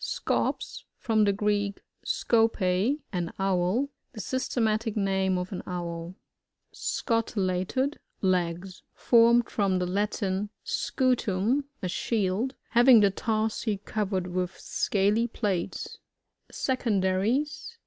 Scops, — From the Greek, skdpa^ an OwL The systematic name of an OwL SouTBLLATED (Icgs.)— Formed from » the Latin, sciefum, a shield. Having the tarsi covered with scaly plates. SacoNDARiEs.